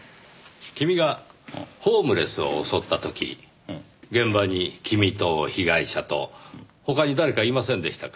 君がホームレスを襲った時現場に君と被害者と他に誰かいませんでしたか？